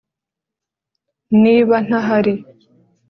niba ntahari